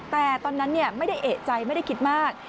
แต่ตอนนั้นไม่ได้เอกใจไม่ได้คิดมาก